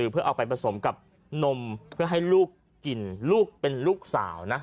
เพื่อเอาไปผสมกับนมเพื่อให้ลูกกินลูกเป็นลูกสาวนะ